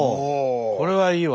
これはいいわ。